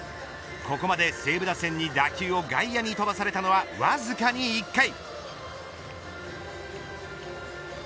ここまで西武打線に打球を外野に飛ばされたのはわずかに１回。